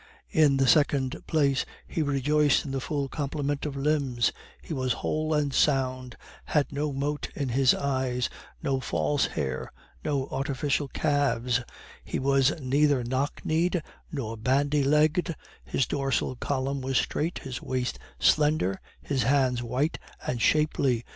In the second place, he rejoiced in the full complement of limbs; he was whole and sound, had no mote in his eyes, no false hair, no artificial calves; he was neither knock kneed nor bandy legged, his dorsal column was straight, his waist slender, his hands white and shapely.